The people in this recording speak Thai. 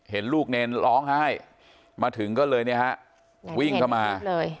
เห็นลูกเนรร้องไห้มาถึงก็เลยเนี่ยฮะวิ่งเข้ามาเลย